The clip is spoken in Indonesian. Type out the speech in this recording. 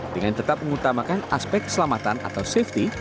dengan tetap mengutamakan aspek keselamatan atau safety